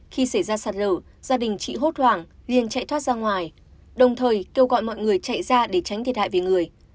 khi xảy ra sạt lở gia đình chị hốt hoảng liên chạy thoát ra ngoài đồng thời kêu gọi mọi người chạy ra để tránh thiệt hại về người